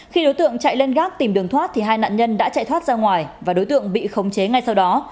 khi đối tượng chạy lên gác tìm đường thoát thì hai nạn nhân đã chạy thoát ra ngoài và đối tượng bị khống chế ngay sau đó